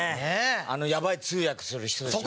あのやばい通訳する人でしょ？